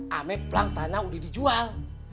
sama plank tanah udah dijual